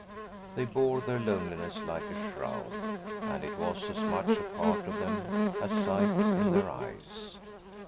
They bore their loneliness like a shroud, and it was as much a part of them as sight in their eyes.